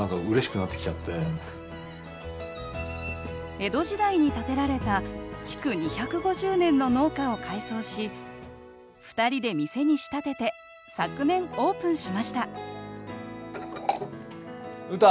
江戸時代に建てられた築２５０年の農家を改装し２人で店に仕立てて昨年オープンしましたうた！